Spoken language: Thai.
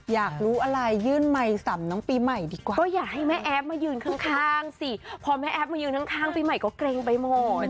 อยากรู้อะไรยื่นไมค์สำน้องปีใหม่ดีกว่าก็อยากให้แม่แอฟมายืนข้างสิพอแม่แอฟมายืนข้างปีใหม่ก็เกรงไปหมด